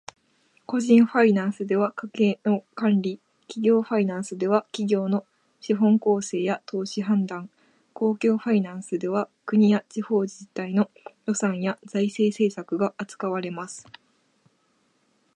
個人ファイナンスでは家計の管理、企業ファイナンスでは企業の資本構成や投資判断、公共ファイナンスでは国や地方自治体の予算や財政政策が扱われます。